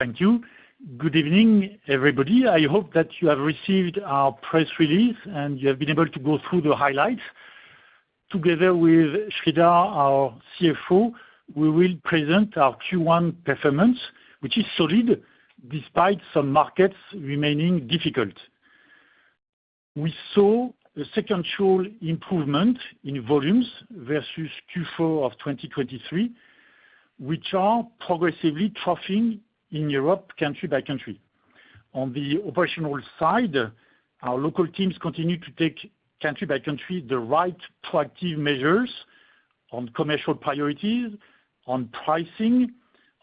Thank you. Good evening, everybody. I hope that you have received our press release and you have been able to go through the highlights. Together with Sreedhar, our CFO, we will present our Q1 performance, which is solid despite some markets remaining difficult. We saw a second straight improvement in volumes versus Q4 of 2023, which are progressively troughing in Europe country by country. On the operational side, our local teams continue to take country by country the right proactive measures on commercial priorities, on pricing,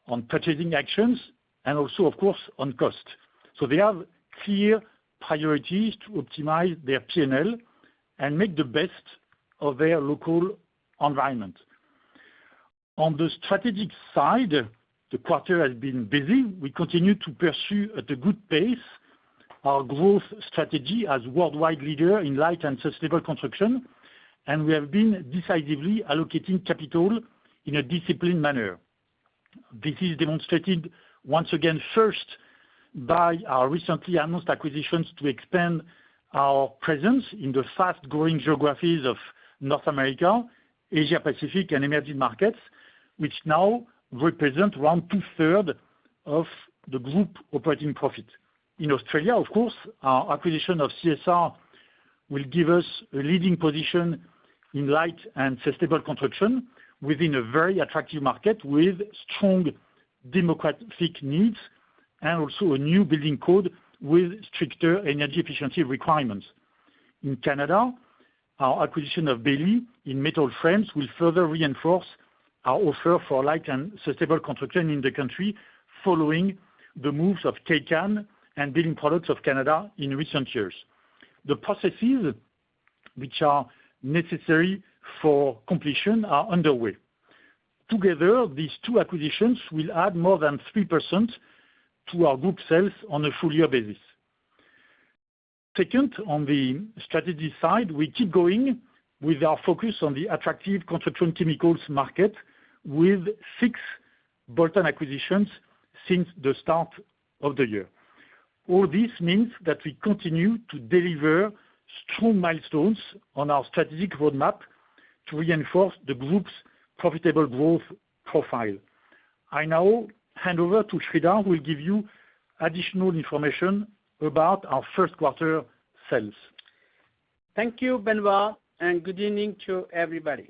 on purchasing actions, and also, of course, on cost. So they have clear priorities to optimize their P&L and make the best of their local environment. On the strategic side, the quarter has been busy. We continue to pursue at a good pace our growth strategy as a worldwide leader in light and sustainable construction, and we have been decisively allocating capital in a disciplined manner. This is demonstrated, once again, first by our recently announced acquisitions to expand our presence in the fast-growing geographies of North America, Asia-Pacific, and emerging markets, which now represent around two-thirds of the group operating profit. In Australia, of course, our acquisition of CSR will give us a leading position in light and sustainable construction within a very attractive market with strong demographic needs and also a new building code with stricter energy efficiency requirements. In Canada, our acquisition of Bailey in metal frames will further reinforce our offer for light and sustainable construction in the country following the moves of Kaycan and Building Products of Canada in recent years. The processes, which are necessary for completion, are underway. Together, these two acquisitions will add more than 3% to our group sales on a full-year basis. Second, on the strategy side, we keep going with our focus on the attractive construction chemicals market with 6 bolt-on acquisitions since the start of the year. All this means that we continue to deliver strong milestones on our strategic roadmap to reinforce the group's profitable growth profile. I now hand over to Sreedhar, who will give you additional information about our first-quarter sales. Thank you, Benoit, and good evening to everybody.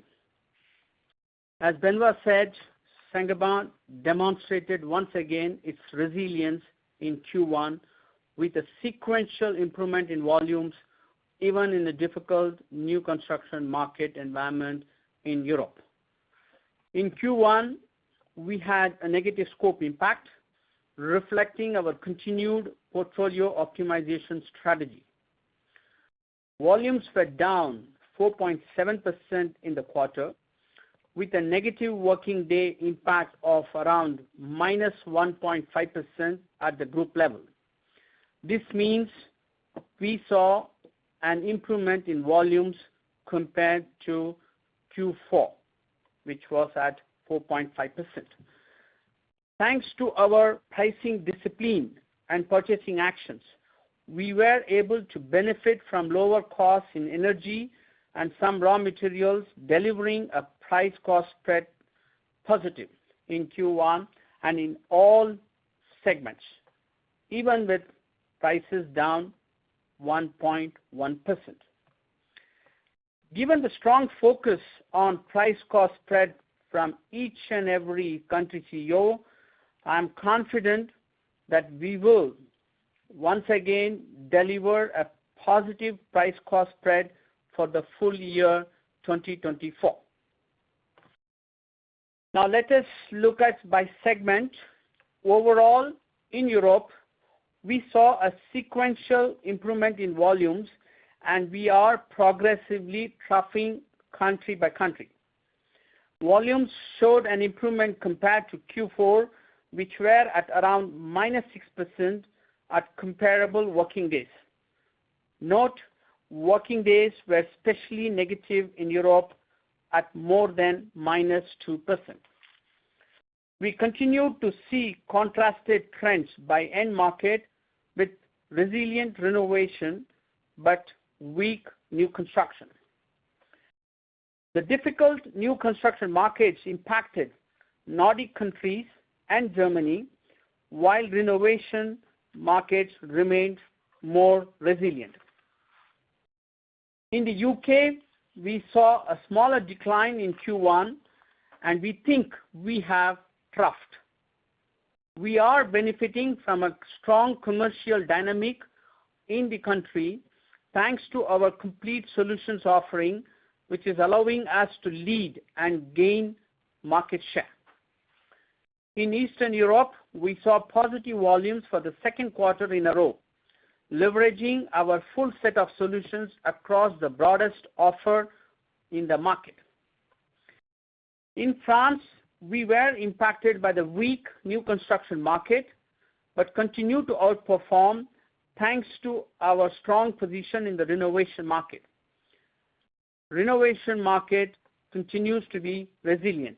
As Benoit said, Saint-Gobain demonstrated, once again, its resilience in Q1 with a sequential improvement in volumes even in the difficult new construction market environment in Europe. In Q1, we had a negative scope impact reflecting our continued portfolio optimization strategy. Volumes fell down 4.7% in the quarter with a negative working day impact of around -1.5% at the group level. This means we saw an improvement in volumes compared to Q4, which was at 4.5%. Thanks to our pricing discipline and purchasing actions, we were able to benefit from lower costs in energy and some raw materials delivering a price-cost spread positive in Q1 and in all segments even with prices down 1.1%. Given the strong focus on price-cost spread from each and every country CEO, I'm confident that we will, once again, deliver a positive price-cost spread for the full year 2024. Now, let us look at by segment. Overall, in Europe, we saw a sequential improvement in volumes, and we are progressively troughing country by country. Volumes showed an improvement compared to Q4, which were at around -6% at comparable working days. Note, working days were especially negative in Europe at more than -2%. We continue to see contrasted trends by end market with resilient renovation but weak new construction. The difficult new construction markets impacted Nordic countries and Germany, while renovation markets remained more resilient. In the U.K., we saw a smaller decline in Q1, and we think we have troughed. We are benefiting from a strong commercial dynamic in the country thanks to our complete solutions offering, which is allowing us to lead and gain market share. In Eastern Europe, we saw positive volumes for the second quarter in a row, leveraging our full set of solutions across the broadest offer in the market. In France, we were impacted by the weak new construction market but continue to outperform thanks to our strong position in the renovation market. Renovation market continues to be resilient.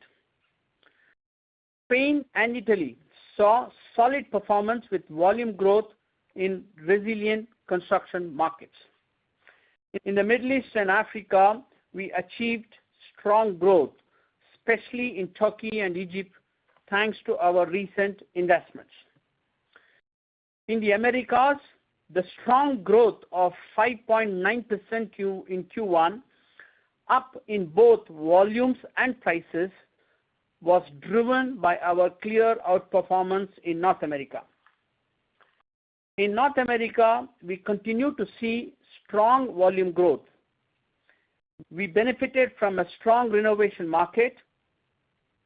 Spain and Italy saw solid performance with volume growth in resilient construction markets. In the Middle East and Africa, we achieved strong growth, especially in Turkey and Egypt thanks to our recent investments. In the Americas, the strong growth of 5.9% in Q1, up in both volumes and prices, was driven by our clear outperformance in North America. In North America, we continue to see strong volume growth. We benefited from a strong renovation market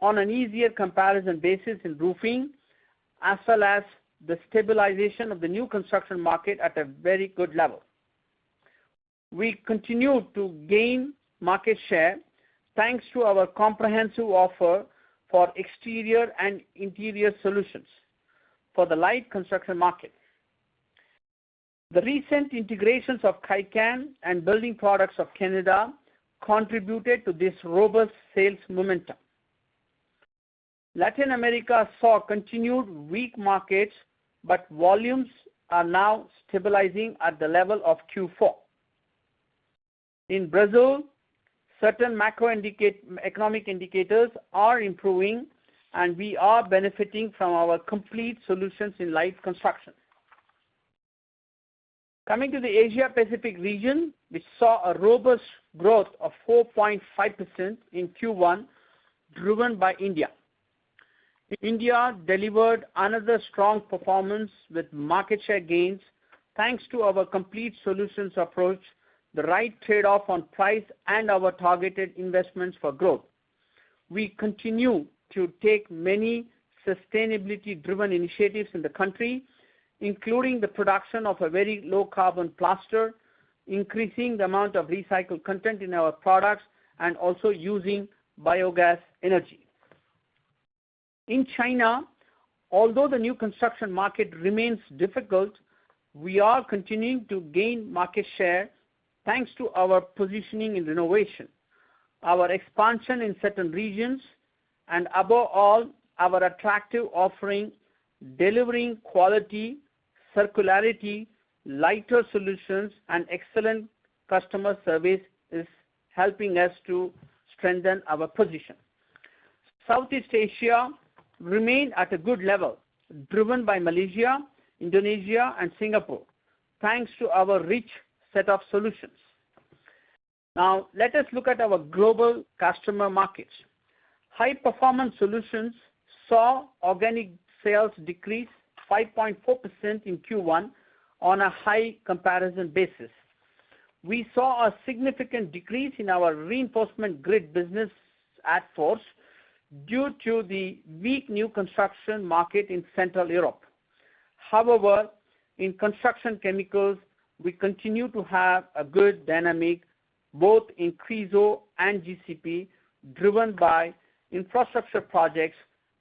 on an easier comparison basis in roofing as well as the stabilization of the new construction market at a very good level. We continue to gain market share thanks to our comprehensive offer for exterior and interior solutions for the light construction market. The recent integrations of KCAN and Building Products of Canada contributed to this robust sales momentum. Latin America saw continued weak markets, but volumes are now stabilizing at the level of Q4. In Brazil, certain macroeconomic indicators are improving, and we are benefiting from our complete solutions in light construction. Coming to the Asia-Pacific region, we saw a robust growth of 4.5% in Q1 driven by India. India delivered another strong performance with market share gains thanks to our complete solutions approach, the right trade-off on price, and our targeted investments for growth. We continue to take many sustainability-driven initiatives in the country, including the production of a very low-carbon plaster, increasing the amount of recycled content in our products, and also using biogas energy. In China, although the new construction market remains difficult, we are continuing to gain market share thanks to our positioning in renovation. Our expansion in certain regions and, above all, our attractive offering, delivering quality, circularity, lighter solutions, and excellent customer service is helping us to strengthen our position. Southeast Asia remained at a good level driven by Malaysia, Indonesia, and Singapore thanks to our rich set of solutions. Now, let us look at our global customer markets. High Performance Solutions saw organic sales decrease 5.4% in Q1 on a high comparison basis. We saw a significant decrease in our reinforcement grid business, Adfors, due to the weak new construction market in Central Europe. However, in construction chemicals, we continue to have a good dynamic both in Chryso and GCP driven by infrastructure projects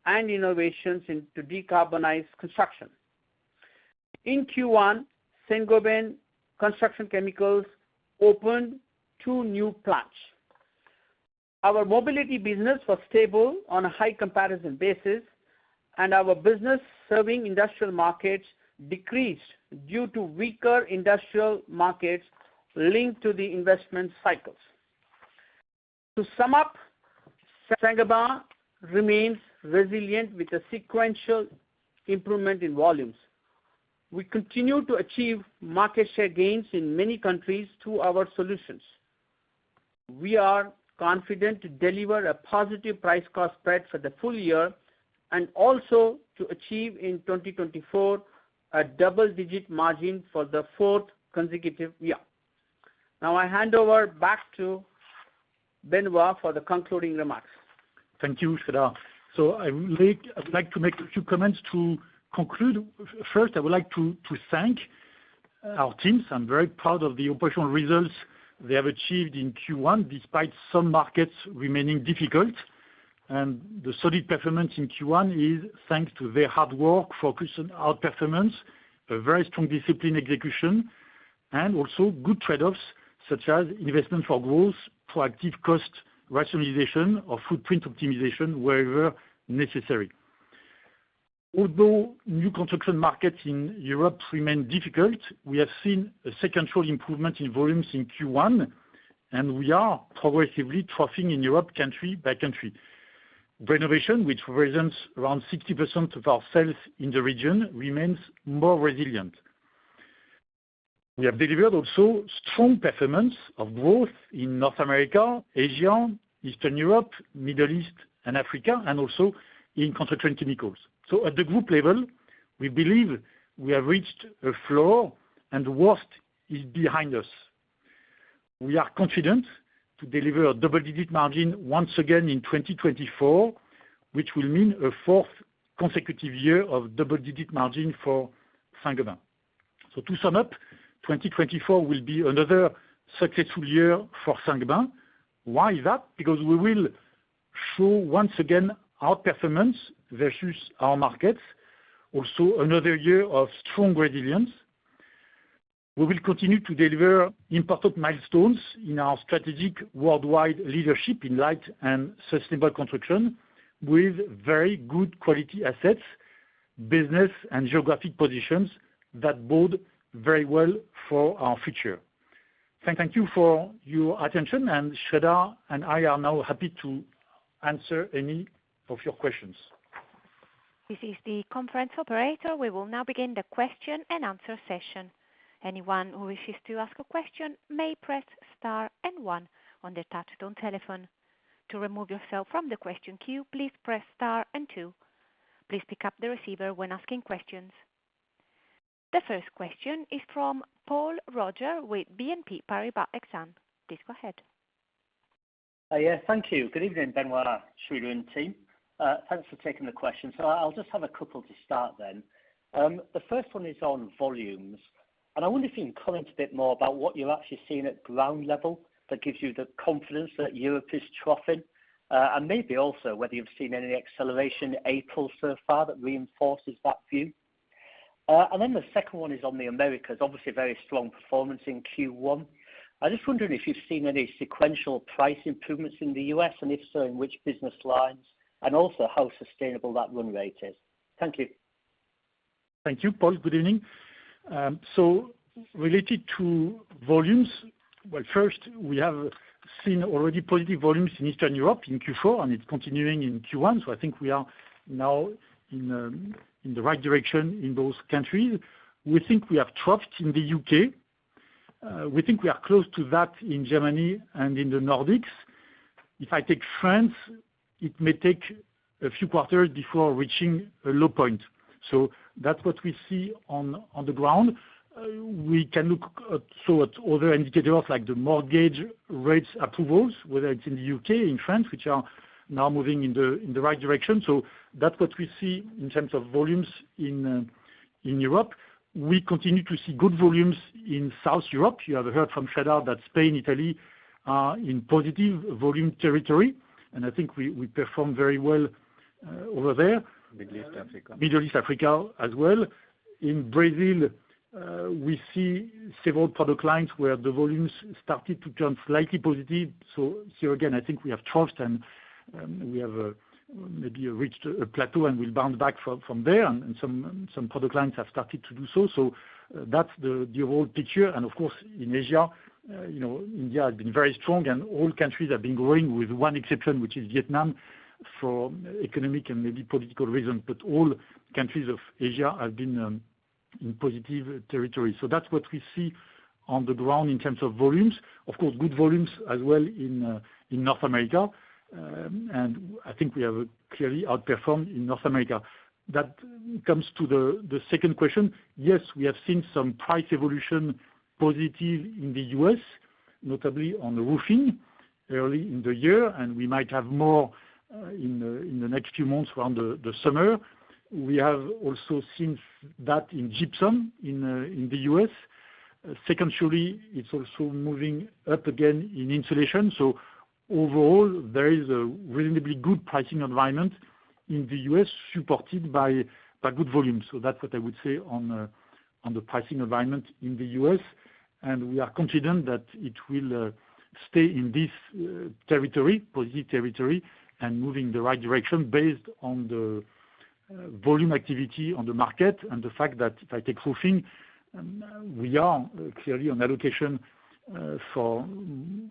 and innovations to decarbonize construction. In Q1, Saint-Gobain Construction Chemicals opened two new plants. Our mobility business was stable on a high comparison basis, and our business serving industrial markets decreased due to weaker industrial markets linked to the investment cycles. To sum up, Saint-Gobain remains resilient with a sequential improvement in volumes. We continue to achieve market share gains in many countries through our solutions. We are confident to deliver a positive price-cost spread for the full year and also to achieve in 2024 a double-digit margin for the fourth consecutive year. Now, I hand over back to Benoit for the concluding remarks. Thank you, Sreedhar. So I would like to make a few comments to conclude. First, I would like to thank our teams. I'm very proud of the operational results they have achieved in Q1 despite some markets remaining difficult. The solid performance in Q1 is thanks to their hard work, focus on outperformance, a very strong disciplined execution, and also good trade-offs such as investment for growth, proactive cost rationalization, or footprint optimization wherever necessary. Although new construction markets in Europe remain difficult, we have seen a sequential improvement in volumes in Q1, and we are progressively troughing in Europe country by country. Renovation, which represents around 60% of our sales in the region, remains more resilient. We have delivered also strong performance of growth in North America, Asia, Eastern Europe, Middle East, and Africa, and also in construction chemicals. At the group level, we believe we have reached a floor, and the worst is behind us. We are confident to deliver a double-digit margin once again in 2024, which will mean a fourth consecutive year of double-digit margin for Saint-Gobain. To sum up, 2024 will be another successful year for Saint-Gobain. Why is that? Because we will show once again our performance versus our markets, also another year of strong resilience. We will continue to deliver important milestones in our strategic worldwide leadership in light and sustainable construction with very good quality assets, business, and geographic positions that bode very well for our future. Thank you for your attention. Sreedhar and I are now happy to answer any of your questions. This is the conference operator. We will now begin the question-and-answer session. Anyone who wishes to ask a question may press star and one on their touch-tone telephone. To remove yourself from the question queue, please press star and two. Please pick up the receiver when asking questions. The first question is from Paul Roger with BNP Paribas Exane. Please go ahead. Yes. Thank you. Good evening, Benoit, Sreedhar, and team. Thanks for taking the question. So I'll just have a couple to start then. The first one is on volumes. And I wonder if you can comment a bit more about what you're actually seeing at ground level that gives you the confidence that Europe is troughing and maybe also whether you've seen any acceleration in April so far that reinforces that view. And then the second one is on the Americas, obviously very strong performance in Q1. I'm just wondering if you've seen any sequential price improvements in the U.S., and if so, in which business lines, and also how sustainable that run rate is. Thank you. Thank you, Paul. Good evening. So related to volumes, well, first, we have seen already positive volumes in Eastern Europe in Q4, and it's continuing in Q1. So I think we are now in the right direction in those countries. We think we have troughed in the UK. We think we are close to that in Germany and in the Nordics. If I take France, it may take a few quarters before reaching a low point. So that's what we see on the ground. We can look also at other indicators like the mortgage rates approvals, whether it's in the UK or in France, which are now moving in the right direction. So that's what we see in terms of volumes in Europe. We continue to see good volumes in South Europe. You have heard from Sreedhar that Spain and Italy are in positive volume territory. I think we performed very well over there. Middle East Africa. Middle East, Africa as well. In Brazil, we see several product lines where the volumes started to turn slightly positive. So here again, I think we have troughed, and we have maybe reached a plateau, and we'll bounce back from there. Some product lines have started to do so. So that's the overall picture. Of course, in Asia, India has been very strong, and all countries have been growing with one exception, which is Vietnam for economic and maybe political reasons. But all countries of Asia have been in positive territories. So that's what we see on the ground in terms of volumes. Of course, good volumes as well in North America. And I think we have clearly outperformed in North America. That comes to the second question. Yes, we have seen some price evolution positive in the U.S., notably on the roofing early in the year. We might have more in the next few months around the summer. We have also seen that in gypsum in the U.S. Secondarily, it's also moving up again in insulation. Overall, there is a reasonably good pricing environment in the U.S. supported by good volumes. That's what I would say on the pricing environment in the U.S. We are confident that it will stay in this positive territory and moving in the right direction based on the volume activity on the market and the fact that if I take roofing, we are clearly on allocation for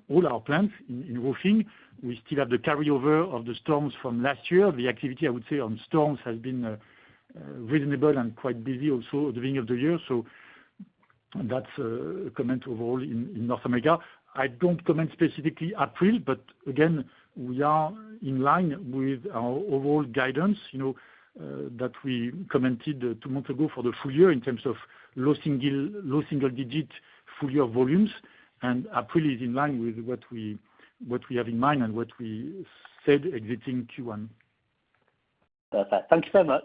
all our plants in roofing. We still have the carryover of the storms from last year. The activity, I would say, on storms has been reasonable and quite busy also at the beginning of the year. That's a comment overall in North America. I don't comment specifically April, but again, we are in line with our overall guidance that we commented 2 months ago for the full year in terms of low single-digit full-year volumes. April is in line with what we have in mind and what we said exiting Q1. Perfect. Thank you very much.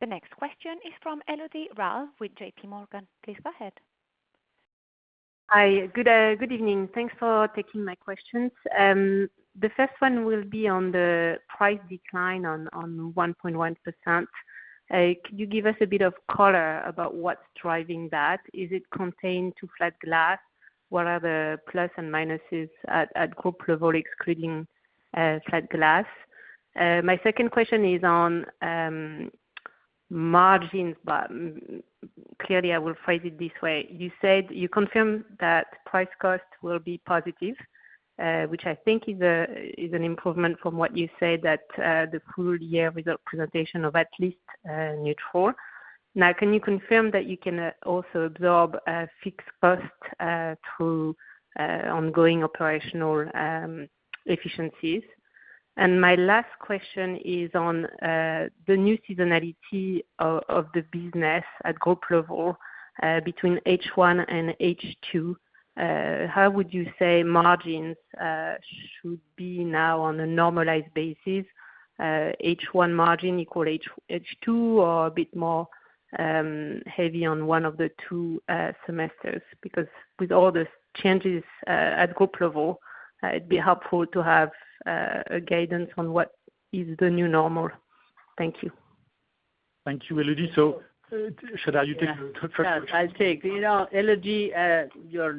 The next question is from Elodie Rall with JPMorgan. Please go ahead. Hi. Good evening. Thanks for taking my questions. The first one will be on the price decline on 1.1%. Could you give us a bit of color about what's driving that? Is it contained to flat glass? What are the plus and minuses at group level excluding flat glass? My second question is on margins. But clearly, I will phrase it this way. You confirm that price cost will be positive, which I think is an improvement from what you said, that the full-year presentation of at least neutral. Now, can you confirm that you can also absorb fixed costs through ongoing operational efficiencies? And my last question is on the new seasonality of the business at group level between H1 and H2. How would you say margins should be now on a normalized basis? H1 margin equal H2 or a bit more heavy on one of the two semesters? Because with all the changes at group level, it'd be helpful to have guidance on what is the new normal. Thank you. Thank you, Elodie. So, Sreedhar, you take the first question. Sure. I'll take. Elodie, your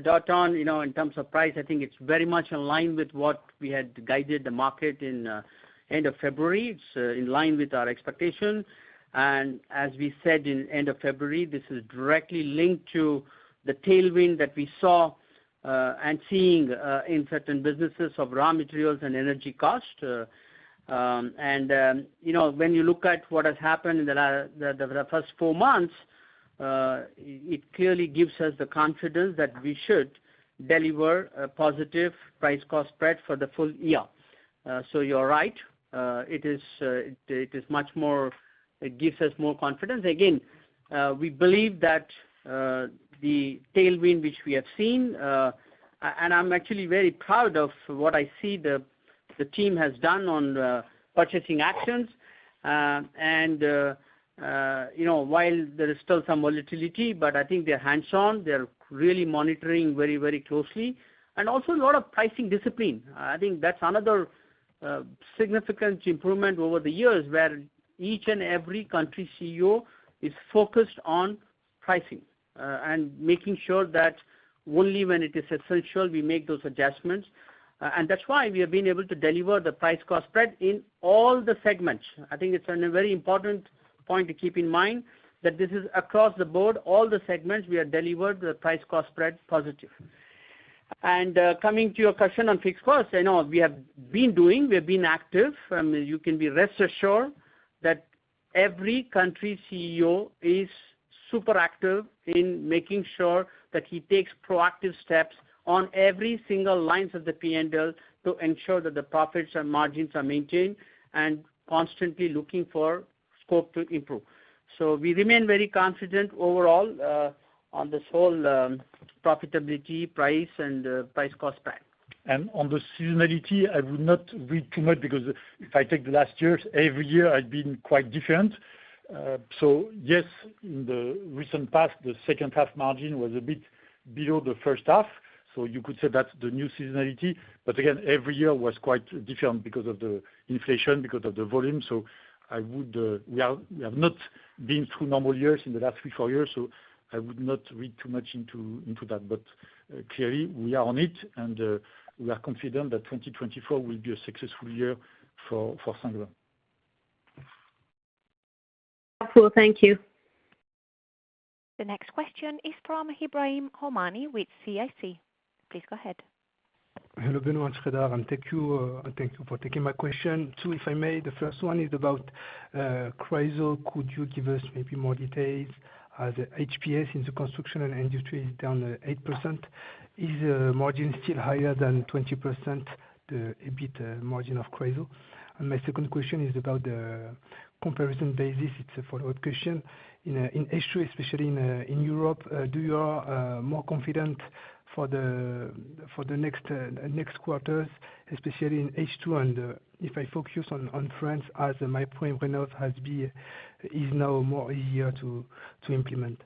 point on in terms of price, I think it's very much in line with what we had guided the market at end of February. It's in line with our expectation. And as we said at end of February, this is directly linked to the tailwind that we saw and seeing in certain businesses of raw materials and energy cost. And when you look at what has happened in the first 4 months, it clearly gives us the confidence that we should deliver a positive price-cost spread for the full year. So you're right. It is much more it gives us more confidence. Again, we believe that the tailwind which we have seen and I am actually very proud of what I see the team has done on purchasing actions. And while there is still some volatility, but I think they're hands-on. They're really monitoring very, very closely. And also a lot of pricing discipline. I think that's another significant improvement over the years where each and every country CEO is focused on pricing and making sure that only when it is essential, we make those adjustments. And that's why we have been able to deliver the price-cost spread in all the segments. I think it's a very important point to keep in mind that this is across the board, all the segments, we have delivered the price-cost spread positive. And coming to your question on fixed costs, I know we have been doing. We have been active. You can rest assured that every country CEO is super active in making sure that he takes proactive steps on every single lines of the P&L to ensure that the profits and margins are maintained and constantly looking for scope to improve. We remain very confident overall on this whole profitability, price, and price-cost spread. On the seasonality, I would not read too much because if I take the last year, every year had been quite different. So yes, in the recent past, the second-half margin was a bit below the first half. So you could say that's the new seasonality. But again, every year was quite different because of the inflation, because of the volume. So we have not been through normal years in the last three, 4 years. So I would not read too much into that. But clearly, we are on it, and we are confident that 2024 will be a successful year for Saint-Gobain. Helpful. Thank you. The next question is from Ebrahim Homani with CIC. Please go ahead. Hello, Benoit and Sreedhar. Thank you for taking my question. Two, if I may, the first one is about Chryso. Could you give us maybe more details? The HPS in the construction and industry is down 8%. Is the margin still higher than 20%, the EBIT margin of Chryso? And my second question is about the comparison basis. It's a follow-up question. In H2, especially in Europe, do you are more confident for the next quarters, especially in H2? And if I focus on France as MaPrimeRénov’ has been is now more easier to implement.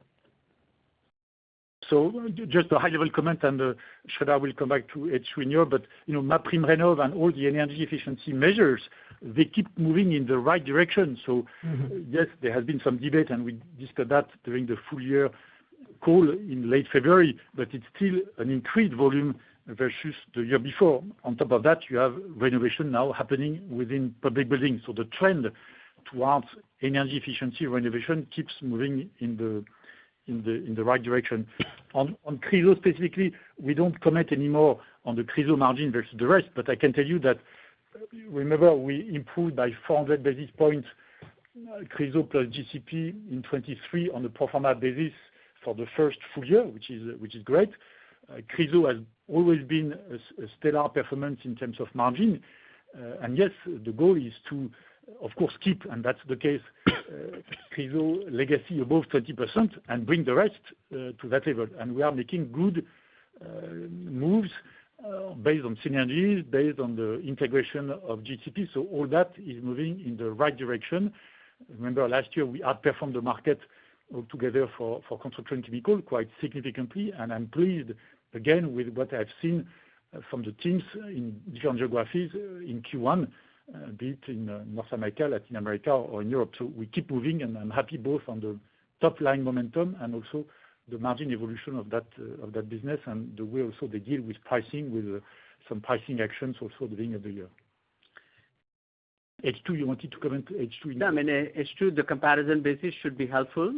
So just a high-level comment. And Sreedhar will come back to H2 and Europe. But MaPrimeRénov’ and all the energy efficiency measures, they keep moving in the right direction. So yes, there has been some debate, and we discussed that during the full-year call in late February. But it's still an increased volume versus the year before. On top of that, you have renovation now happening within public buildings. So the trend towards energy efficiency renovation keeps moving in the right direction. On Chryso specifically, we don't comment anymore on the Chryso margin versus the rest. But I can tell you that, remember, we improved by 400 basis points Chryso plus GCP in 2023 on the pro forma basis for the first full year, which is great. Chryso has always been a stellar performance in terms of margin. And yes, the goal is to, of course, keep, and that's the case, Chryso legacy above 20% and bring the rest to that level. And we are making good moves based on synergies, based on the integration of GCP. So all that is moving in the right direction. Remember, last year, we outperformed the market altogether for construction chemical quite significantly. I'm pleased, again, with what I've seen from the teams in different geographies in Q1, be it in North America, Latin America, or in Europe. We keep moving. I'm happy both on the top-line momentum and also the margin evolution of that business and the way also they deal with pricing, with some pricing actions also at the beginning of the year. H2, you wanted to comment to H2. Yeah. I mean, H2, the comparison basis should be helpful.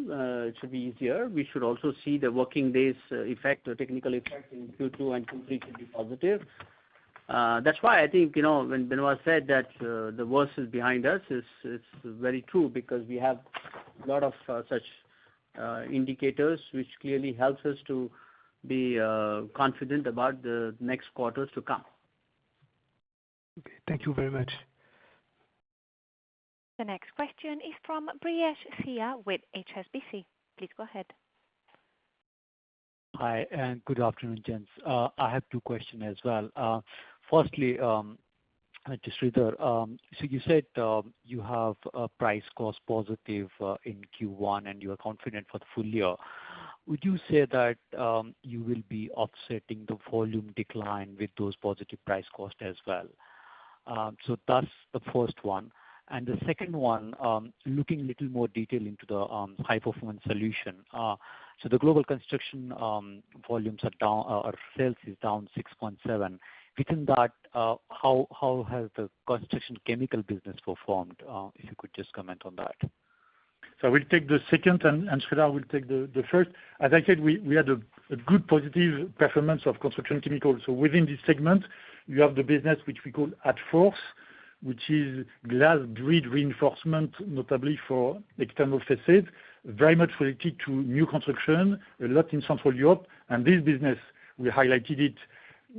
It should be easier. We should also see the working days effect, the technical effect in Q2 and Q3 should be positive. That's why I think when Benoit said that the worst is behind us, it's very true because we have a lot of such indicators, which clearly helps us to be confident about the next quarters to come. Okay. Thank you very much. The next question is from Brijesh Siya with HSBC. Please go ahead. Hi. And good afternoon, gents. I have two questions as well. Firstly, Mr. Sreedhar, so you said you have price cost positive in Q1, and you are confident for the full year. Would you say that you will be offsetting the volume decline with those positive price costs as well? So that's the first one. And the second one, looking a little more detail into the high-performance solution. So the global construction volumes are down or sales is down 6.7%. Within that, how has the construction chemical business performed? If you could just comment on that. So I will take the second. And Sreedhar, we'll take the first. As I said, we had a good positive performance of construction chemicals. So within this segment, you have the business which we call Adfors, which is glass grid reinforcement, notably for external facades, very much related to new construction, a lot in Central Europe. And this business, we highlighted it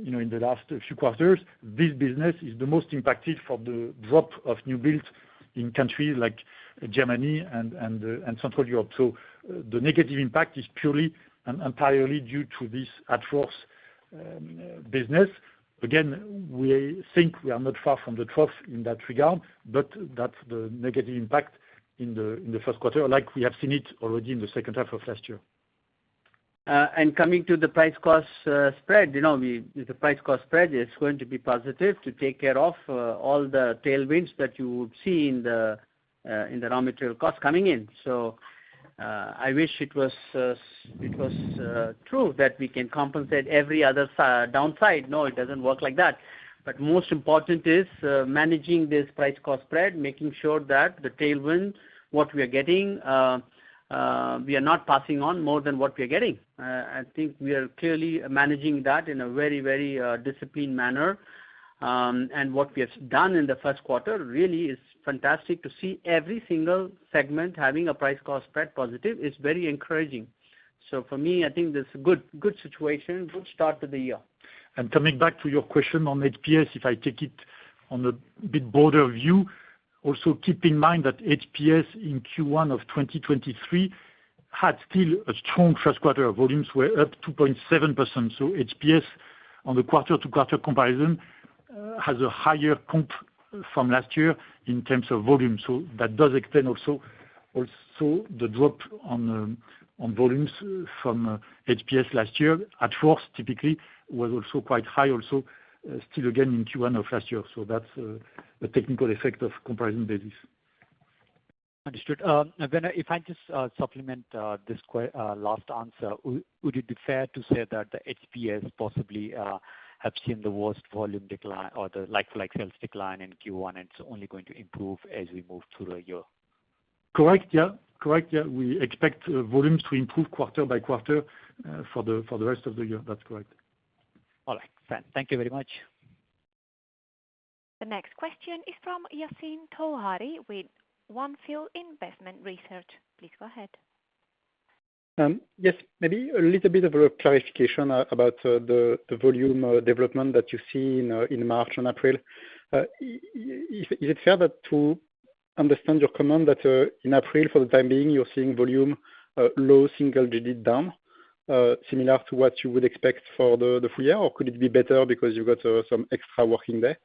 in the last few quarters, this business is the most impacted for the drop of new builds in countries like Germany and Central Europe. So the negative impact is purely and entirely due to this Adfors business. Again, we think we are not far from the trough in that regard. But that's the negative impact in the first quarter, like we have seen it already in the second half of last year. Coming to the price cost spread, the price cost spread, it's going to be positive to take care of all the tailwinds that you would see in the raw material costs coming in. So I wish it was true that we can compensate every other downside. No, it doesn't work like that. But most important is managing this price cost spread, making sure that the tailwind, what we are getting, we are not passing on more than what we are getting. I think we are clearly managing that in a very, very disciplined manner. And what we have done in the first quarter really is fantastic to see every single segment having a price cost spread positive. It's very encouraging. So for me, I think this is a good situation, good start to the year. Coming back to your question on HPS, if I take it on a bit broader view, also keep in mind that HPS in Q1 of 2023 had still a strong first quarter. Volumes were up 2.7%. HPS, on the quarter-to-quarter comparison, has a higher comp from last year in terms of volume. That does explain also the drop on volumes from HPS last year. Prices, typically, was also quite high also, still again in Q1 of last year. That's a technical effect of comparison basis. Understood. Benoit, if I just supplement this last answer, would it be fair to say that the HPS possibly have seen the worst volume decline or the like-for-like sales decline in Q1, and it's only going to improve as we move through the year? Correct. Yeah. Correct. Yeah. We expect volumes to improve quarter-by-quarter for the rest of the year. That's correct. All right. Thank you very much. The next question is from Yassine Touahri with On Field Investment Research. Please go ahead. Yes. Maybe a little bit of a clarification about the volume development that you see in March and April. Is it fair to understand your comment that in April, for the time being, you're seeing volume low single-digit down, similar to what you would expect for the full year? Or could it be better because you've got some extra working day?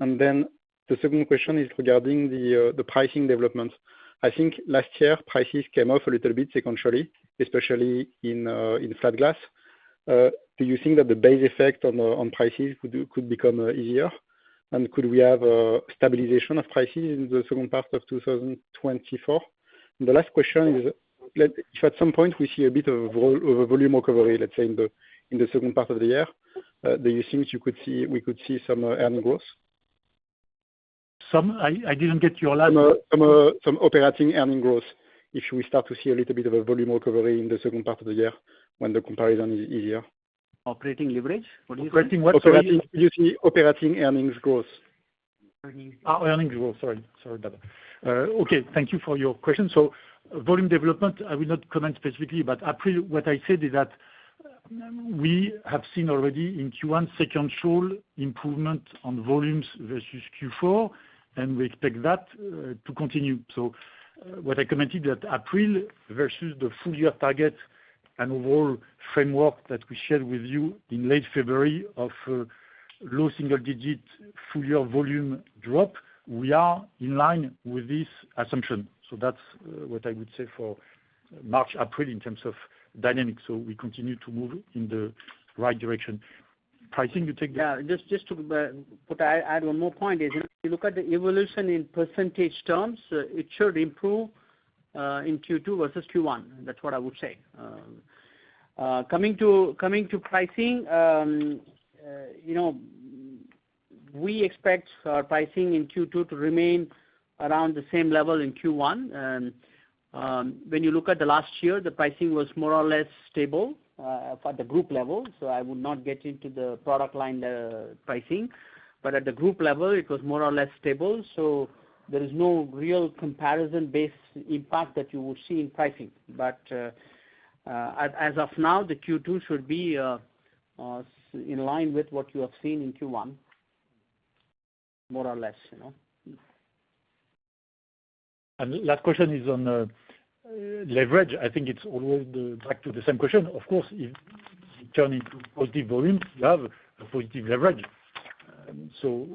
And then the second question is regarding the pricing development. I think last year, prices came off a little bit sequentially, especially in flat glass. Do you think that the base effect on prices could become easier? And could we have stabilization of prices in the second part of 2024? And the last question is, if at some point we see a bit of a volume recovery, let's say, in the second part of the year, do you think we could see some earnings growth? I didn't get your last. Some operating earnings growth, if we start to see a little bit of a volume recovery in the second part of the year when the comparison is easier. Operating leverage? What do you say? Operating what? Would you say operating earnings growth? Earnings growth. Sorry. Sorry, Benoit. Okay. Thank you for your question. So volume development, I will not comment specifically. But April, what I said is that we have seen already in Q1 showing improvement on volumes versus Q4. And we expect that to continue. So what I commented, that April versus the full-year target and overall framework that we shared with you in late February of low single-digit full-year volume drop, we are in line with this assumption. So that's what I would say for March, April in terms of dynamics. So we continue to move in the right direction. Pricing, you take the. Yeah. Just to add one more point is, if you look at the evolution in percentage terms, it should improve in Q2 versus Q1. That's what I would say. Coming to pricing, we expect our pricing in Q2 to remain around the same level in Q1. When you look at the last year, the pricing was more or less stable at the group level. So I would not get into the product line pricing. But at the group level, it was more or less stable. So there is no real comparison-based impact that you would see in pricing. But as of now, the Q2 should be in line with what you have seen in Q1, more or less. Last question is on leverage. I think it's always back to the same question. Of course, if you turn into positive volumes, you have a positive leverage. So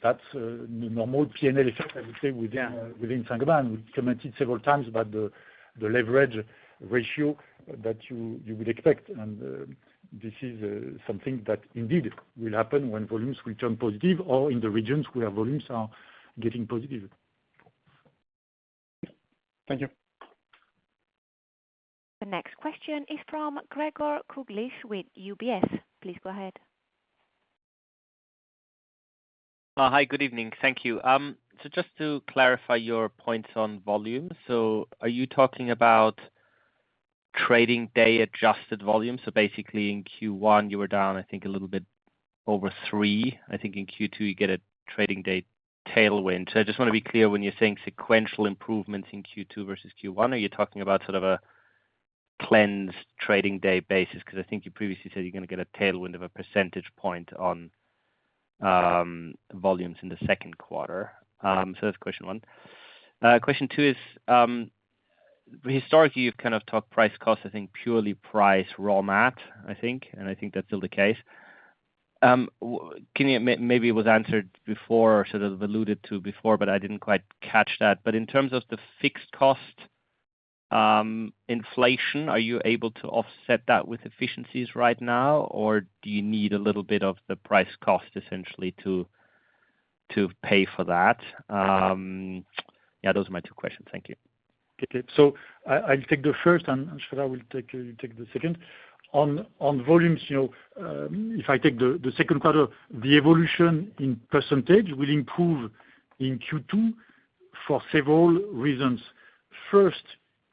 that's the normal P&L effect, I would say, within Saint-Gobain. We commented several times about the leverage ratio that you would expect. And this is something that indeed will happen when volumes will turn positive or in the regions where volumes are getting positive. Thank you. The next question is from Gregor Kuglitsch with UBS. Please go ahead. Hi. Good evening. Thank you. So just to clarify your points on volume, so are you talking about trading day-adjusted volume? So basically, in Q1, you were down, I think, a little bit over 3. I think in Q2, you get a trading day tailwind. So I just want to be clear, when you're saying sequential improvements in Q2 versus Q1, are you talking about sort of a cleansed trading day basis? Because I think you previously said you're going to get a tailwind of a percentage point on volumes in the second quarter. So that's question one. Question two is, historically, you've kind of talked price cost, I think, purely price raw mat, I think. And I think that's still the case. Maybe it was answered before or sort of alluded to before, but I didn't quite catch that. In terms of the fixed cost inflation, are you able to offset that with efficiencies right now? Or do you need a little bit of the price cost, essentially, to pay for that? Yeah. Those are my two questions. Thank you. Okay. So I'll take the first. And Sreedhar, you take the second. On volumes, if I take the second quarter, the evolution in percentage will improve in Q2 for several reasons. First,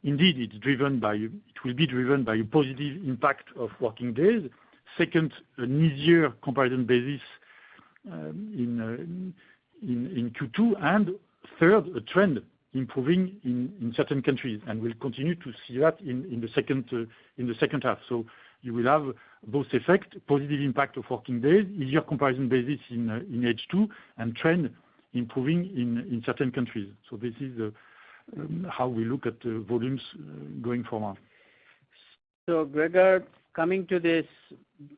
indeed, it will be driven by a positive impact of working days. Second, an easier comparison basis in Q2. And third, a trend improving in certain countries. And we'll continue to see that in the second half. So you will have both effect, positive impact of working days, easier comparison basis in H2, and trend improving in certain countries. So this is how we look at volumes going forward. So Gregor, coming to this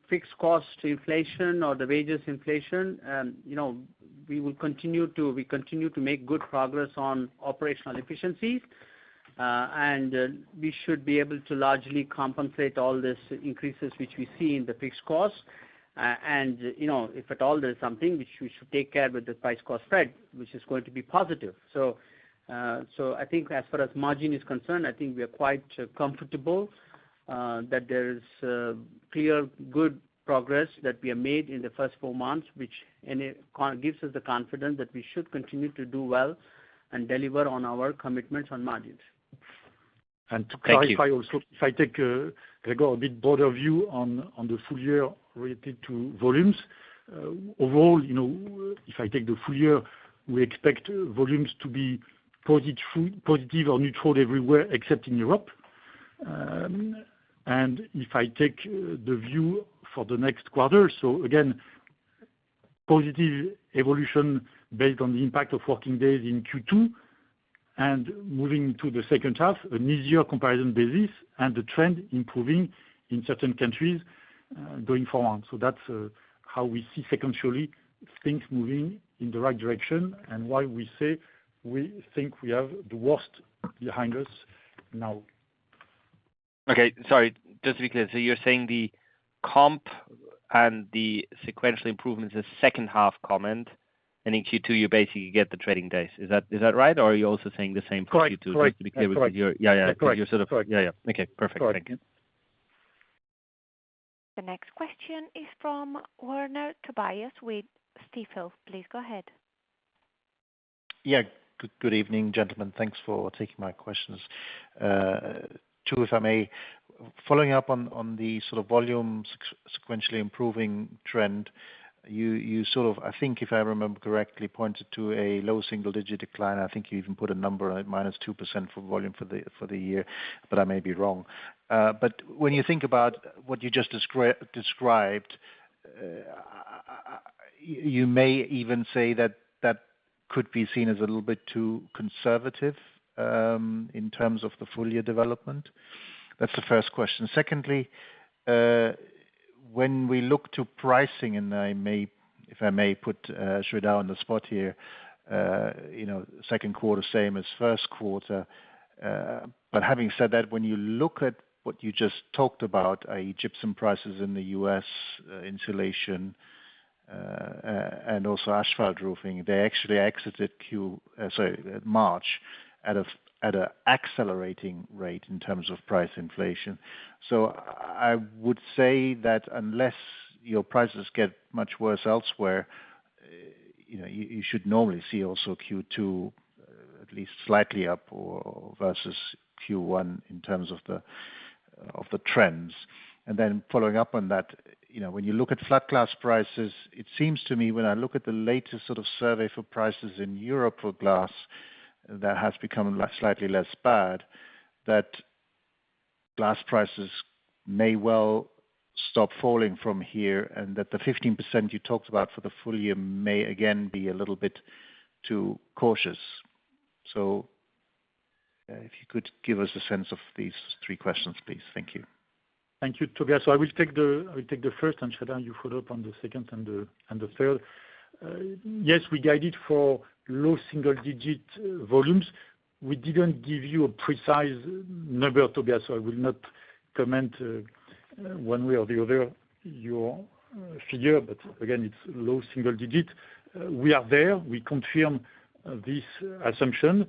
fixed cost inflation or the wages inflation, we continue to make good progress on operational efficiencies. We should be able to largely compensate all these increases which we see in the fixed cost. If at all there's something which we should take care of with the price cost spread, which is going to be positive. So I think as far as margin is concerned, I think we are quite comfortable that there is clear, good progress that we have made in the first 4 months, which gives us the confidence that we should continue to do well and deliver on our commitments on margins. Thank you. If I take, Gregor, a bit broader view on the full year related to volumes, overall, if I take the full year, we expect volumes to be positive or neutral everywhere except in Europe. And if I take the view for the next quarter, so again, positive evolution based on the impact of working days in Q2 and moving to the second half, an easier comparison basis, and the trend improving in certain countries going forward. So that's how we see sequentially things moving in the right direction and why we say we think we have the worst behind us now. Okay. Sorry. Just to be clear, so you're saying the comp and the sequential improvement is a second-half comment. And in Q2, you basically get the trading days. Is that right? Or are you also saying the same for Q2? Correct. Correct. Just to be clear with your yeah. Yeah. Because you're sort of yeah. Yeah. Okay. Perfect. Thank you. The next question is from Woerner Tobias with Stifel. Please go ahead. Yeah. Good evening, gentlemen. Thanks for taking my questions. Two, if I may. Following up on the sort of volume sequentially improving trend, you sort of, I think if I remember correctly, pointed to a low single-digit decline. I think you even put a number at -2% for volume for the year. But I may be wrong. But when you think about what you just described, you may even say that that could be seen as a little bit too conservative in terms of the full year development. That's the first question. Secondly, when we look to pricing, and if I may put Sreedhar on the spot here, second quarter same as first quarter. But having said that, when you look at what you just talked about, i.e., gypsum prices in the U.S., insulation, and also asphalt roofing, they actually exited sorry, March at an accelerating rate in terms of price inflation. So I would say that unless your prices get much worse elsewhere, you should normally see also Q2 at least slightly up versus Q1 in terms of the trends. And then following up on that, when you look at flat glass prices, it seems to me when I look at the latest sort of survey for prices in Europe for glass that has become slightly less bad, that glass prices may well stop falling from here and that the 15% you talked about for the full year may again be a little bit too cautious. So if you could give us a sense of these three questions, please. Thank you. Thank you, Tobias. So I will take the first. And Sreedhar, you followed up on the second and the third. Yes, we guided for low single-digit volumes. We didn't give you a precise number, Tobias. So I will not comment one way or the other your figure. But again, it's low single-digit. We are there. We confirm this assumption.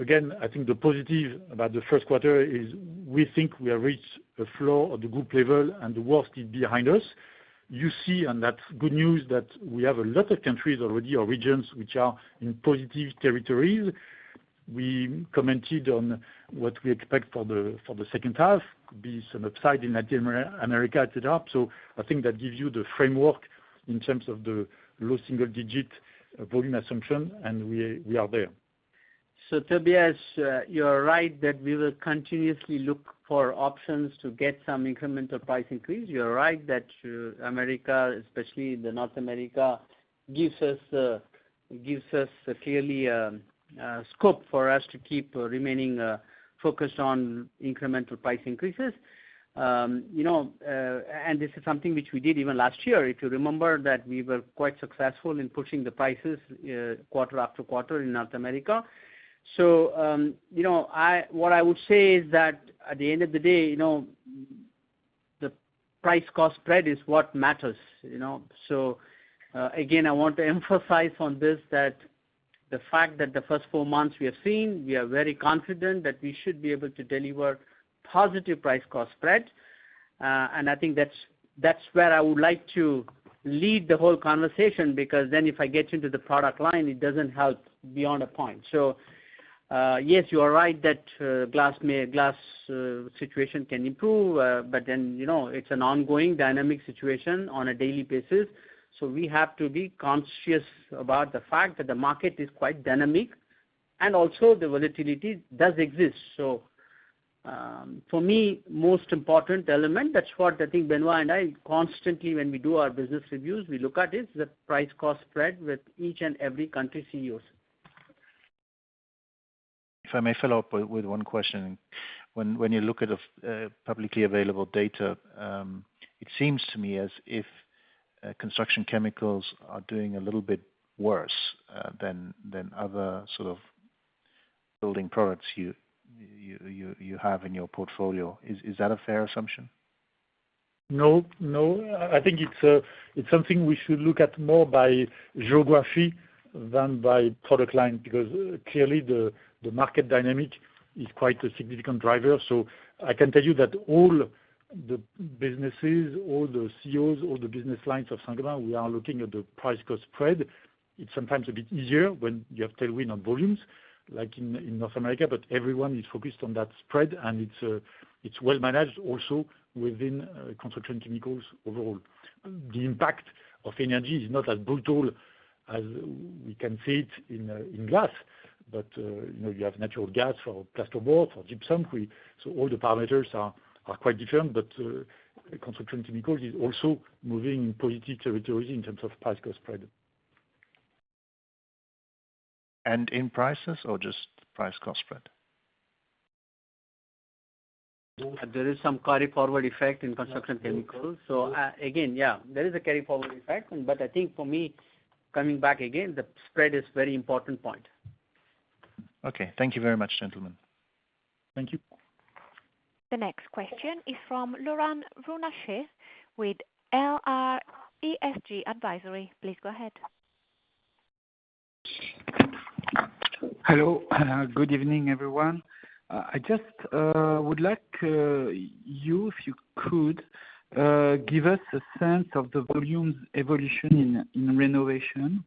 Again, I think the positive about the first quarter is we think we have reached a floor of the group level and the worst is behind us. You see, and that's good news, that we have a lot of countries already or regions which are in positive territories. We commented on what we expect for the second half. Could be some upside in Latin America, etc. So I think that gives you the framework in terms of the low single-digit volume assumption. And we are there. So Tobias, you are right that we will continuously look for options to get some incremental price increase. You are right that America, especially the North America, gives us clearly scope for us to keep remaining focused on incremental price increases. And this is something which we did even last year, if you remember, that we were quite successful in pushing the prices quarter after quarter in North America. So what I would say is that at the end of the day, the price cost spread is what matters. So again, I want to emphasize on this, that the fact that the first 4 months we have seen, we are very confident that we should be able to deliver positive price cost spread. I think that's where I would like to lead the whole conversation because then if I get into the product line, it doesn't help beyond a point. Yes, you are right that glass situation can improve. But then it's an ongoing dynamic situation on a daily basis. We have to be conscious about the fact that the market is quite dynamic. Also, the volatility does exist. For me, most important element, that's what I think Benoit and I constantly, when we do our business reviews, we look at is the price cost spread with each and every country CEO. If I may follow up with one question. When you look at publicly available data, it seems to me as if construction chemicals are doing a little bit worse than other sort of building products you have in your portfolio. Is that a fair assumption? No. No. I think it's something we should look at more by geography than by product line because clearly, the market dynamic is quite a significant driver. So I can tell you that all the businesses, all the CEOs, all the business lines of Saint-Gobain, we are looking at the price cost spread. It's sometimes a bit easier when you have tailwind on volumes like in North America. But everyone is focused on that spread. And it's well managed also within construction chemicals overall. The impact of energy is not as brutal as we can see it in glass. But you have natural gas for plasterboard, for gypsum. So all the parameters are quite different. But construction chemicals is also moving in positive territories in terms of price cost spread. In prices or just price cost spread? There is some carry-forward effect in construction chemicals. So again, yeah, there is a carry-forward effect. But I think for me, coming back again, the spread is a very important point. Okay. Thank you very much, gentlemen. Thank you. The next question is from Laurent Runacher with LRESG Advisory. Please go ahead. Hello. Good evening, everyone. I just would like you, if you could, give us a sense of the volume's evolution in renovation.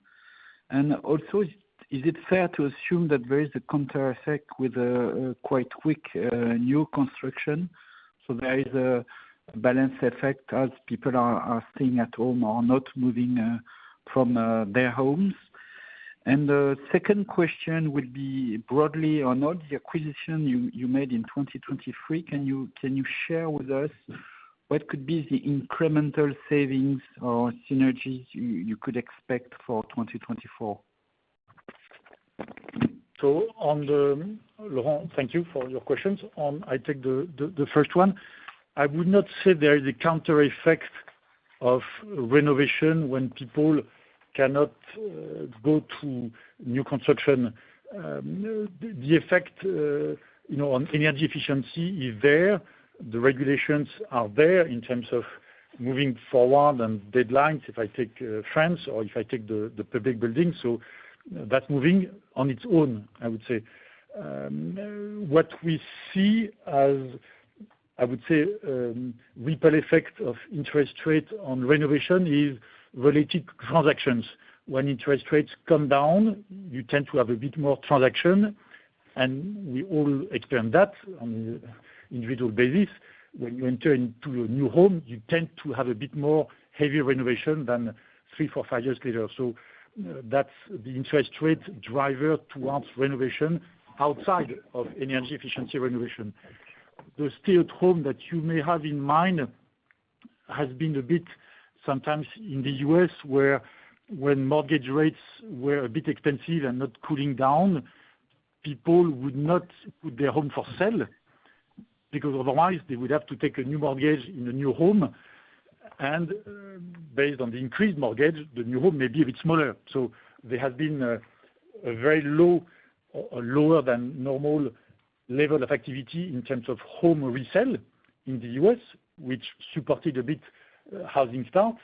And also, is it fair to assume that there is a counter effect with quite quick new construction? So there is a balance effect as people are staying at home or not moving from their homes. And the second question would be, broadly or not, the acquisition you made in 2023, can you share with us what could be the incremental savings or synergies you could expect for 2024? So Laurent, thank you for your questions. I'll take the first one. I would not say there is a counter effect of renovation when people cannot go to new construction. The effect on energy efficiency is there. The regulations are there in terms of moving forward and deadlines, if I take France or if I take the public buildings. So that's moving on its own, I would say. What we see as, I would say, ripple effect of interest rate on renovation is related transactions. When interest rates come down, you tend to have a bit more transaction. And we all experience that on an individual basis. When you enter into a new home, you tend to have a bit more heavy renovation than 3, 4, 5 years later. So that's the interest rate driver towards renovation outside of energy efficiency renovation. The state of home that you may have in mind has been a bit sometimes in the U.S. where when mortgage rates were a bit expensive and not cooling down, people would not put their home for sale because otherwise, they would have to take a new mortgage in a new home. Based on the increased mortgage, the new home may be a bit smaller. There has been a very low or lower than normal level of activity in terms of home resale in the U.S., which supported a bit housing start.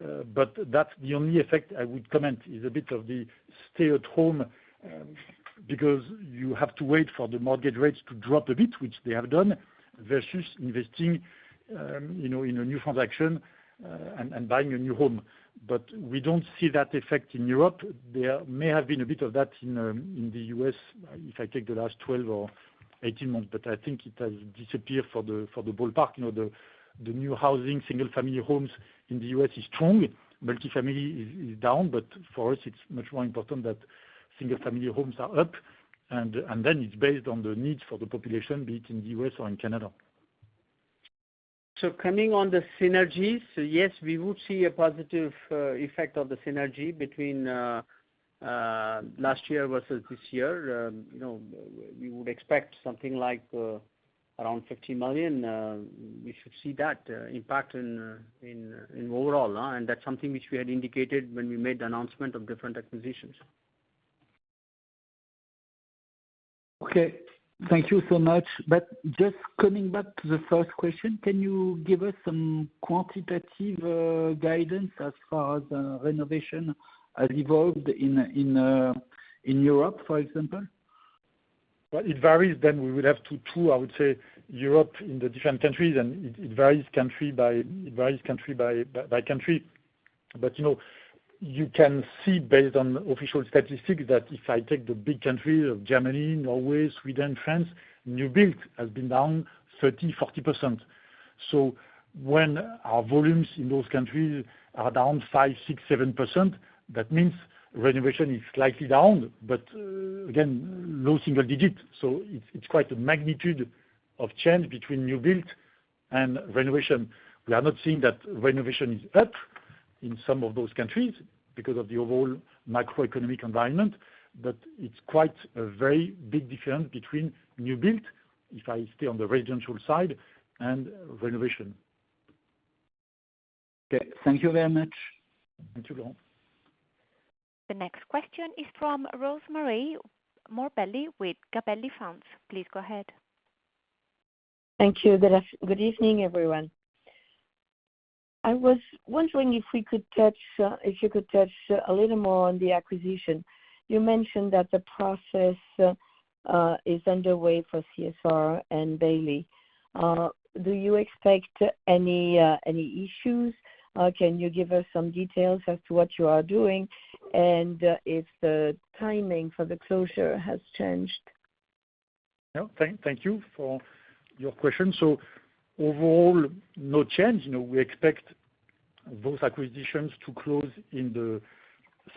That's the only effect I would comment is a bit of the state of home because you have to wait for the mortgage rates to drop a bit, which they have done, versus investing in a new transaction and buying a new home. We don't see that effect in Europe. There may have been a bit of that in the U.S. if I take the last 12 or 18 months. But I think it has disappeared for the ballpark. The new housing single-family homes in the U.S. is strong. Multifamily is down. But for us, it's much more important that single-family homes are up. And then it's based on the needs for the population, be it in the U.S. or in Canada. So coming on the synergies, so yes, we would see a positive effect of the synergy between last year versus this year. We would expect something like around 50 million. We should see that impact overall. And that's something which we had indicated when we made the announcement of different acquisitions. Okay. Thank you so much. But just coming back to the first question, can you give us some quantitative guidance as far as renovation has evolved in Europe, for example? Well, it varies. Then we would have to, too, I would say, Europe in the different countries. And it varies country by country. But you can see based on official statistics that if I take the big countries of Germany, Norway, Sweden, France, new built has been down 30%-40%. So when our volumes in those countries are down 5%-7%, that means renovation is slightly down. But again, low single digit. So it's quite a magnitude of change between new built and renovation. We are not seeing that renovation is up in some of those countries because of the overall macroeconomic environment. But it's quite a very big difference between new built, if I stay on the residential side, and renovation. Okay. Thank you very much. Thank you, Laurent. The next question is from Rosemarie Morbelli with Gabelli Funds. Please go ahead. Thank you. Good evening, everyone. I was wondering if you could touch a little more on the acquisition. You mentioned that the process is underway for CSR and Bailey. Do you expect any issues? Can you give us some details as to what you are doing and if the timing for the closure has changed? No. Thank you for your question. So overall, no change. We expect those acquisitions to close in the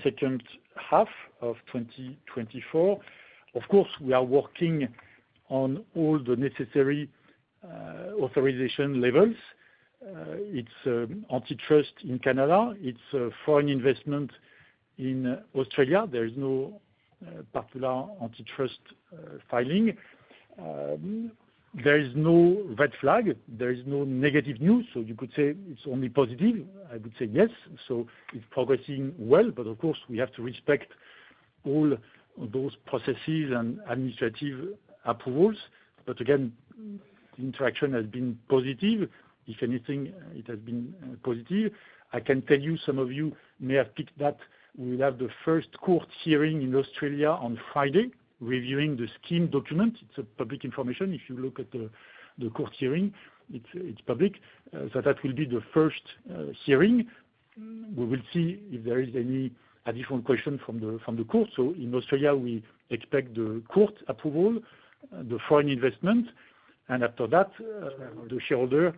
second half of 2024. Of course, we are working on all the necessary authorization levels. It's antitrust in Canada. It's foreign investment in Australia. There is no particular antitrust filing. There is no red flag. There is no negative news. So you could say it's only positive. I would say yes. So it's progressing well. But of course, we have to respect all those processes and administrative approvals. But again, the interaction has been positive. If anything, it has been positive. I can tell you some of you may have picked that we will have the first court hearing in Australia on Friday reviewing the scheme document. It's public information. If you look at the court hearing, it's public. So that will be the first hearing. We will see if there is any additional question from the court. So in Australia, we expect the court approval, the foreign investment. And after that, the shareholder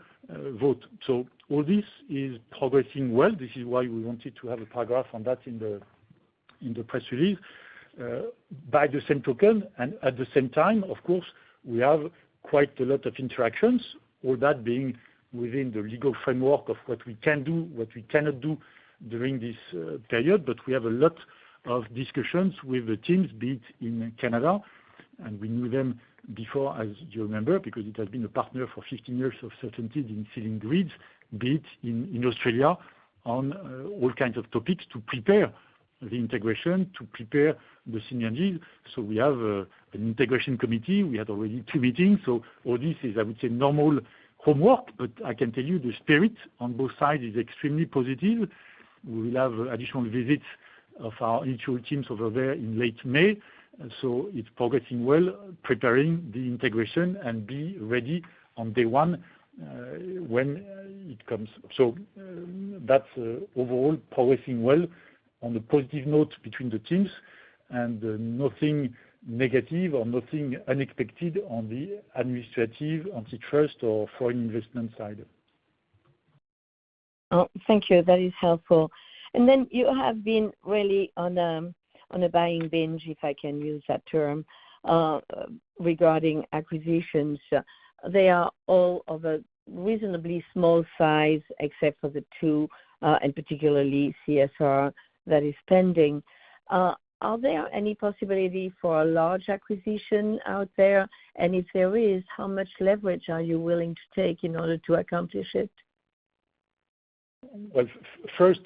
vote. So all this is progressing well. This is why we wanted to have a paragraph on that in the press release by the same token. And at the same time, of course, we have quite a lot of interactions, all that being within the legal framework of what we can do, what we cannot do during this period. But we have a lot of discussions with the teams be it in Canada. And we knew them before, as you remember, because it has been a partner for 15 years with CertainTeed in ceiling grids, be it in Australia on all kinds of topics to prepare the integration, to prepare the synergies. So we have an integration committee. We had already two meetings. So all this is, I would say, normal homework. But I can tell you the spirit on both sides is extremely positive. We will have additional visits of our mutual teams over there in late May. So it's progressing well, preparing the integration and be ready on day one when it comes. So that's overall progressing well on a positive note between the teams. And nothing negative or nothing unexpected on the administrative antitrust or foreign investment side. Thank you. That is helpful. And then you have been really on a buying binge, if I can use that term, regarding acquisitions. They are all of a reasonably small size except for the two, and particularly CSR, that is pending. Are there any possibility for a large acquisition out there? And if there is, how much leverage are you willing to take in order to accomplish it? Well, first,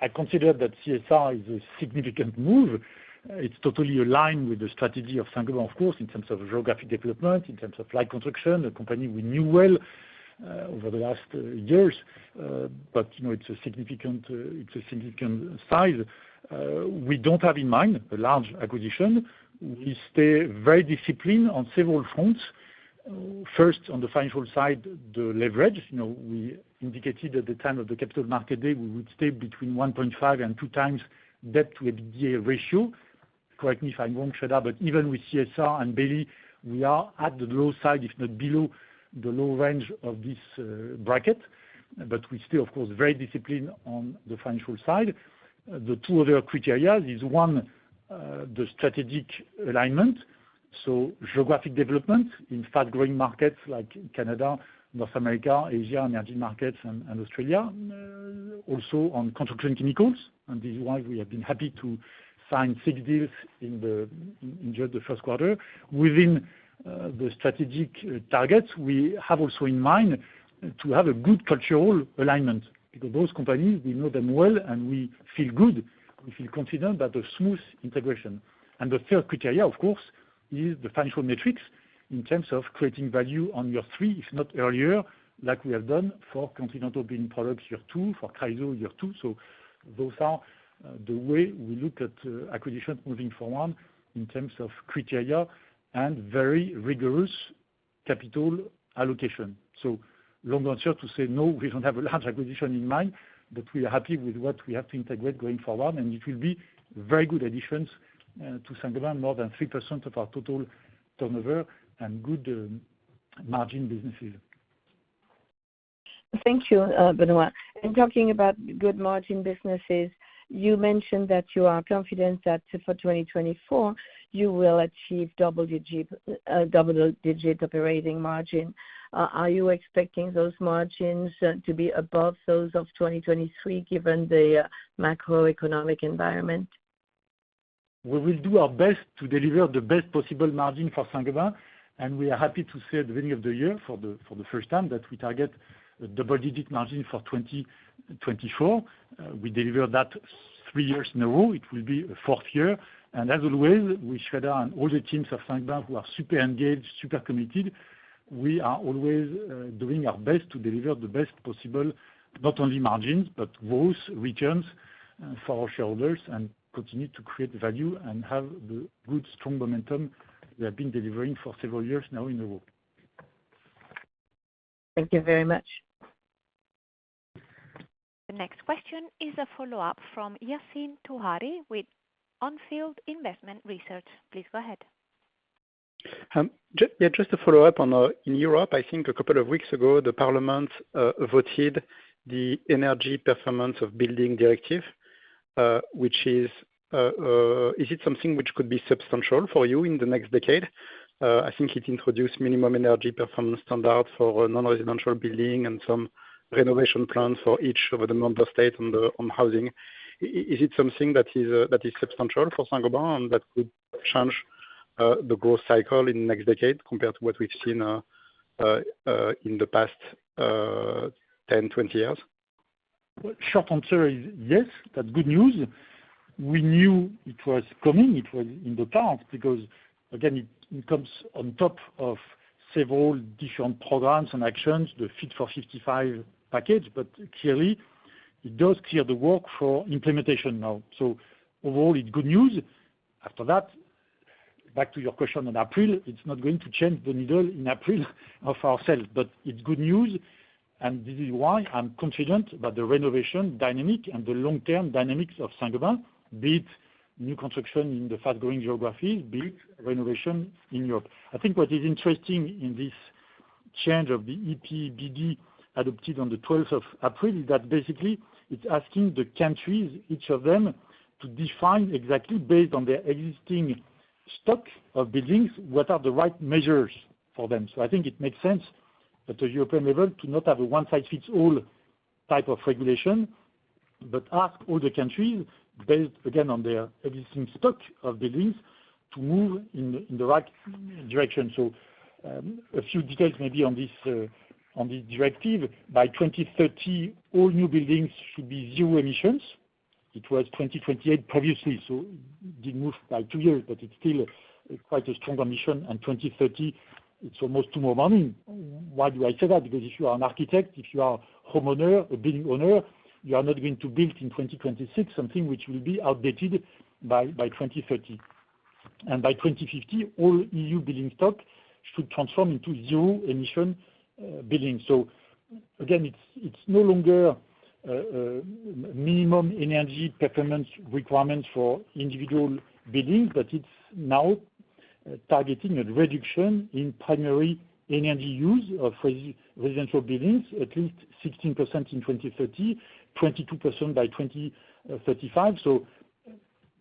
I consider that CSR is a significant move. It's totally aligned with the strategy of Saint-Gobain, of course, in terms of geographic development, in terms of light construction, a company we knew well over the last years. But it's a significant size. We don't have in mind a large acquisition. We stay very disciplined on several fronts. First, on the financial side, the leverage. We indicated at the time of the capital market day, we would stay between 1.5-2 times debt to EBITDA ratio. Correct me if I'm wrong, Sreedhar. But even with CSR and Bailey, we are at the low side, if not below the low range of this bracket. But we stay, of course, very disciplined on the financial side. The two other criteria is, one, the strategic alignment. Geographic development in fast-growing markets like Canada, North America, Asia, energy markets, and Australia, also on construction chemicals. This is why we have been happy to sign 6 deals in just the first quarter. Within the strategic targets, we have also in mind to have a good cultural alignment because those companies, we know them well, and we feel good. We feel confident about a smooth integration. The third criteria, of course, is the financial metrics in terms of creating value on year 3, if not earlier, like we have done for Continental Building Products year 2, for Chryso year 2. Those are the way we look at acquisition moving forward in terms of criteria and very rigorous capital allocation. Long answer to say no, we don't have a large acquisition in mind. But we are happy with what we have to integrate going forward. It will be very good additions to Saint-Gobain, more than 3% of our total turnover and good margin businesses. Thank you, Benoit. In talking about good margin businesses, you mentioned that you are confident that for 2024, you will achieve double-digit operating margin. Are you expecting those margins to be above those of 2023 given the macroeconomic environment? We will do our best to deliver the best possible margin for Saint-Gobain. We are happy to say at the beginning of the year, for the first time, that we target a double-digit margin for 2024. We deliver that 3 years in a row. It will be a fourth year. As always, with Sreedhar and all the teams of Saint-Gobain who are super engaged, super committed, we are always doing our best to deliver the best possible, not only margins but gross returns for our shareholders and continue to create value and have the good, strong momentum we have been delivering for several years now in a row. Thank you very much. The next question is a follow-up from Yassine Touahri with On Field Investment Research. Please go ahead. Yeah, just a follow-up. In Europe, I think a couple of weeks ago, the Parliament voted the Energy Performance of Building Directive, which is it something which could be substantial for you in the next decade? I think it introduced minimum energy performance standard for non-residential building and some renovation plans for each of the member states on housing. Is it something that is substantial for Saint-Gobain and that could change the growth cycle in the next decade compared to what we've seen in the past 10, 20 years? Well, short answer is yes. That's good news. We knew it was coming. It was in the past because, again, it comes on top of several different programs and actions, the Fit for 55 package. Clearly, it does clear the way for implementation now. Overall, it's good news. After that, back to your question on April, it's not going to move the needle in April for ourselves. It's good news. This is why I'm confident about the renovation dynamic and the long-term dynamics of Saint-Gobain, be it new construction in the fast-growing geographies, be it renovation in Europe. I think what is interesting in this change of the EPBD adopted on the 12th of April is that basically, it's asking the countries, each of them, to define exactly, based on their existing stock of buildings, what are the right measures for them. So I think it makes sense at the European level to not have a one-size-fits-all type of regulation but ask all the countries, again, on their existing stock of buildings, to move in the right direction. So a few details maybe on this directive. By 2030, all new buildings should be zero emissions. It was 2028 previously. So it did move by 2 years. But it's still quite a strong ambition. And 2030, it's almost tomorrow morning. Why do I say that? Because if you are an architect, if you are a homeowner, a building owner, you are not going to build in 2026 something which will be outdated by 2030. And by 2050, all EU building stock should transform into zero-emission buildings. So again, it's no longer minimum energy performance requirements for individual buildings. It's now targeting a reduction in primary energy use of residential buildings, at least 16% in 2030, 22% by 2035.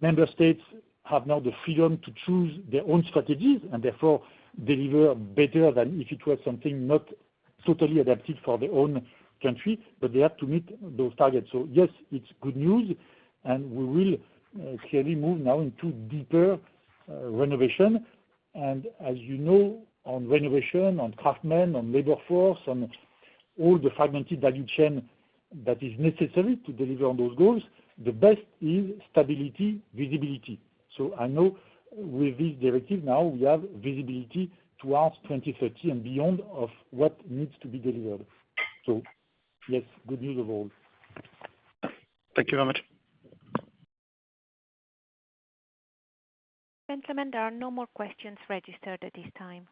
Member states have now the freedom to choose their own strategies and, therefore, deliver better than if it was something not totally adapted for their own country. They have to meet those targets. Yes, it's good news. We will clearly move now into deeper renovation. As you know, on renovation, on craftsmen, on labor force, on all the fragmented value chain that is necessary to deliver on those goals, the best is stability, visibility. I know with this directive, now we have visibility towards 2030 and beyond of what needs to be delivered. Yes, good news of all. Thank you very much. Benoit, there are no more questions registered at this time.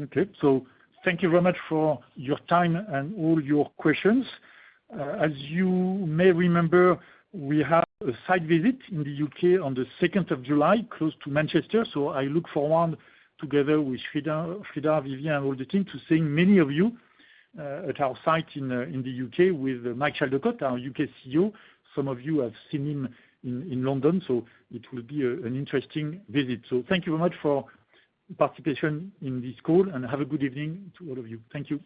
Okay. Thank you very much for your time and all your questions. As you may remember, we have a site visit in the U.K. on the 2nd of July, close to Manchester. I look forward, together with Sreedhar, Vivien, and all the team, to seeing many of you at our site in the U.K. with Maud Thuaudet, our U.K. CEO. Some of you have seen him in London. It will be an interesting visit. Thank you very much for participation in this call. Have a good evening to all of you. Thank you.